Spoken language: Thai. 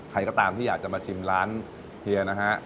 ใครก็ตามที่อยากจะมาชิมร้านเฮียนะฮะ